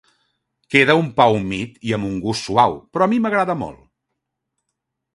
Queda un pa humit i amb un gust suau, però a mi m'agrada molt.